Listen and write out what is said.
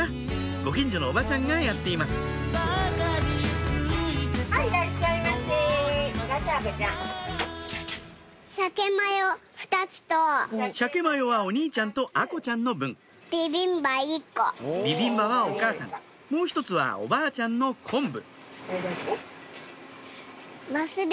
ご近所のおばちゃんがやっていますシャケマヨはお兄ちゃんと愛心ちゃんの分ビビンバはお母さんもう１つはおばあちゃんのコンブそれだけ？